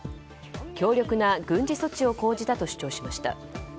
強力な軍事措置を講じたと主張しました。